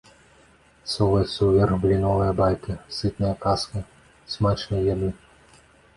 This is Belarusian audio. Соваецца ўверх бліновая байка, сытная казка смачнай яды.